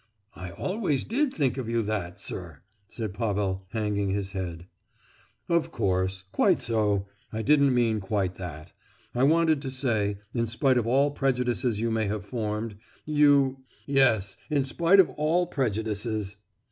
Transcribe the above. "I always did think you that, sir!" said Pavel, hanging his head. "Of course, quite so—I didn't mean quite that—I wanted to say, in spite of all prejudices you may have formed, you——" "Yes, in spite of all prejudices!"